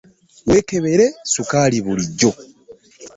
Weekebere sukaali bulijjo.